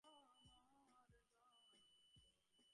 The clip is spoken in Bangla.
ইঁহারাই জগতের চিন্তানায়ক, প্রেরিতপুরুষ, জীবনের বার্তাবহ, ঈশ্বরাবতার।